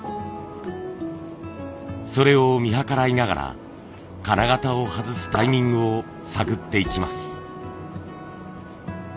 それを見計らいながら金型を外すタイミングを探っていきます。